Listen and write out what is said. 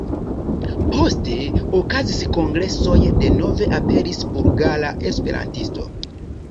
Poste okazis kongresoj, denove aperis Bulgara Esperantisto.